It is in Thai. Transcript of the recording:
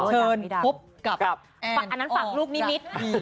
เชิญพบกับแอดออกดักดี